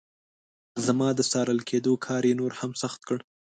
زما د څارل کېدلو کار یې نور هم سخت کړ.